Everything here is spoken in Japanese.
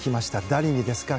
誰にですか？